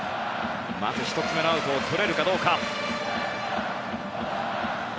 まず１つ目のアウトを取れるかどうか。